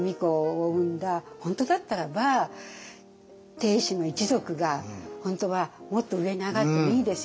本当だったらば定子の一族が本当はもっと上に上がってもいいですよね。